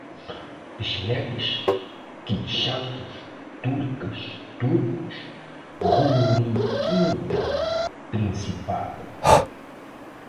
Pechenegues, quipchacos, turcas, turcos, ruríquida, Principado